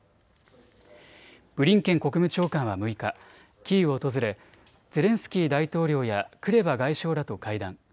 ブリンケン国務長官は６日、キーウを訪れゼレンスキー大統領やクレバ外相らと会談。